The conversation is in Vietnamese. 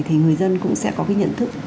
thì người dân cũng sẽ có nhận thức